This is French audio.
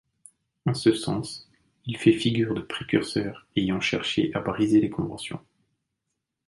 En ce sens, il fait figure de précurseur ayant cherché à briser les conventions.